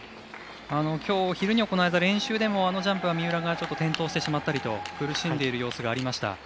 きょう、昼に行われた練習でもあのジャンプ三浦が転倒してしまったりと苦しんでいる様子がありました。